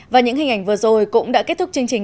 và những hình ảnh vừa rồi cũng đã kết thúc chương trình